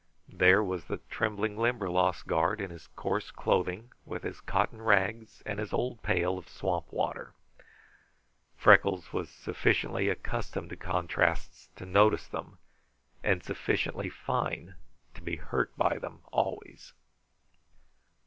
There was the trembling Limberlost guard in his coarse clothing, with his cotton rags and his old pail of swamp water. Freckles was sufficiently accustomed to contrasts to notice them, and sufficiently fine to be hurt by them always.